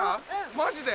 マジで！